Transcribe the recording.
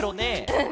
うん。